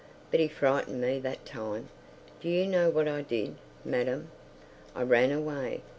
But he frightened me that time. Do you know what I did, madam? I ran away.